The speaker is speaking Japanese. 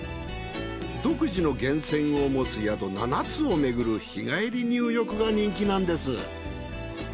独自の源泉を持つ宿７つをめぐる日帰り入浴が人気なんです。